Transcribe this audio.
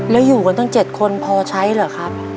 แล้วอยู่กันตั้ง๗คนพอใช้เหรอครับ